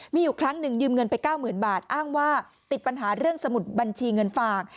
มีอยู่ครั้งหนึ่งยืมเงินไป๙๐๐๐บาทอ้างว่าติดปัญหาเรื่องสมุดบัญชีเงินฝาก